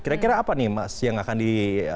kira kira apa nih mas yang akan di